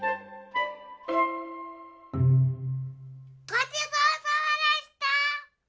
ごちそうさまでした！